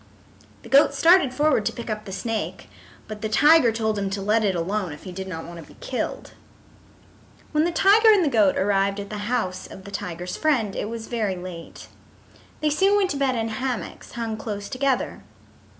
The goat started forward to pick up the snake, but the tiger told him to let it alone if he did not want to be killed. When the tiger and the goat arrived at the house of the tiger's friend it was very late. They soon went to bed in hammocks hung close together.